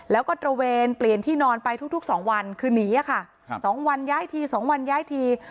แล้วก็ตระเวนเปลี่ยนที่นอนไปทุก๒วันคือหนีค่ะ๒วันย้ายที๒วันย้ายที